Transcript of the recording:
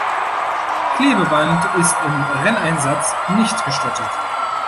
Klebeband ist im Renneinsatz nicht gestattet.